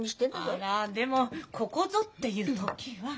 あらでもここぞっていう時は。